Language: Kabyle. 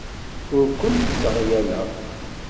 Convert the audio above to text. Ur kent-sseɣyaleɣ.